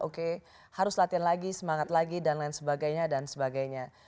oke harus latihan lagi semangat lagi dan lain sebagainya dan sebagainya